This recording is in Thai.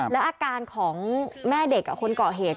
และอาการของแม่เด็กหรือคนเกาะเห็ด